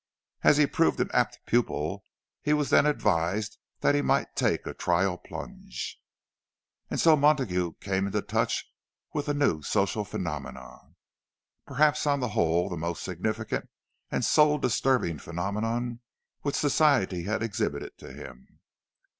As he proved an apt pupil, he was then advised that he might take a trial plunge. And so Montague came into touch with a new social phenomenon; perhaps on the whole the most significant and soul disturbing phenomenon which Society had exhibited to him.